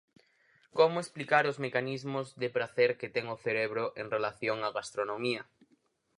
Como explicar os mecanismos de pracer que ten o cerebro en relación á gastronomía.